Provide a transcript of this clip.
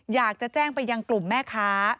อยากจะแจ้งไปยังกลุ่มแม่ค้า